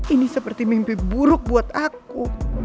ini seperti mimpi buruk buat aku